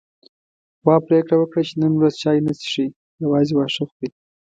غوا پرېکړه وکړه چې نن ورځ چای نه څښي، يوازې واښه خوري.